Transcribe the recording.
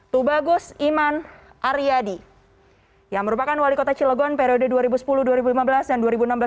tubagus iman aryadi yang merupakan wali kota cilegon periode dua ribu sepuluh dua ribu lima belas dan dua ribu enam belas dua ribu sembilan